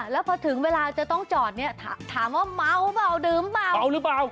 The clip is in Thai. แล้วพอถึงเวลาจะต้องจอดถามว่าเม้าหรือเปล่าดื่มหรือเปล่า